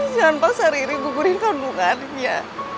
jangan paksa riri gugurin kandungannya